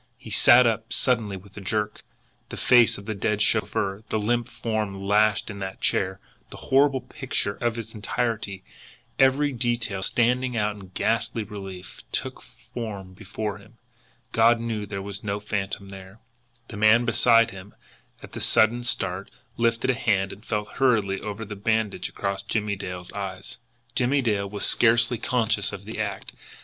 He sat up suddenly with a jerk. The face of the dead chauffeur, the limp form lashed in that chair, the horrible picture in its entirety, every detail standing out in ghastly relief, took form before him. God knew there was no phantom there! The man beside him, at the sudden start, lifted a hand and felt hurriedly over the bandage across Jimmie Dale's eyes. Jimmie Dale was scarcely conscious of the act.